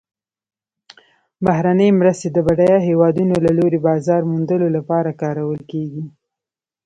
بهرنۍ مرستې د بډایه هیوادونو له لوري بازار موندلو لپاره کارول کیږي.